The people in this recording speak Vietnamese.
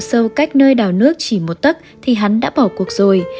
độ sâu cách nơi đảo nước chỉ một tấc thì hắn đã bỏ cuộc rồi